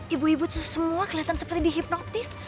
ibu ibu itu semua kelihatan seperti dihipnotis